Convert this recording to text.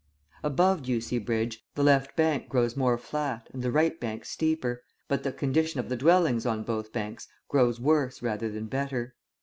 Above Ducie Bridge, the left bank grows more flat and the right bank steeper, but the condition of the dwellings on both banks grows worse rather than better.